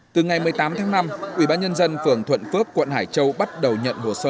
từ ngày một mươi tám tháng năm ubnd phường thuận phước quận hải châu bắt đầu nhận hồ sơ